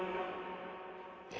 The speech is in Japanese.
え？